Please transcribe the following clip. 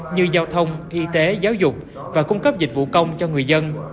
như giao thông y tế giáo dục và cung cấp dịch vụ công cho người dân